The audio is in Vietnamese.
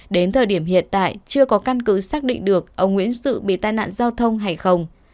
đến thời điểm hiện tại chưa có căn cứ xác định được ông nguyễn sự bị tai nạn giao thông hay không